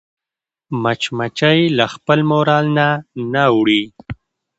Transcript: مچمچۍ له خپل مورال نه نه اوړي